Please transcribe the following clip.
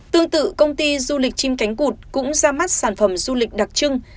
tương tự công ty du lịch chim cánh cụt cũng ra mắt sản phẩm du lịch đặc trưng